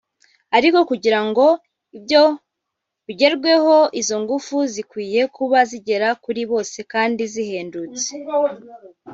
"Ariko kugira ngo ibyo bigerweho izo ngufu zikwiye kuba zigera kuri bose kandi zihendutse